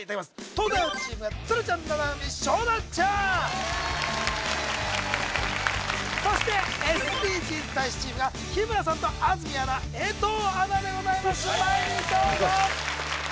東大王チームは鶴ちゃん七海勝田ちゃんそしてＳＤＧｓ大使チームが日村さんと安住アナ江藤アナでございますよしいきます